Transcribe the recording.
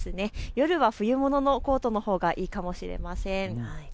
夜は冬物のコートのほうがいいかもしれません。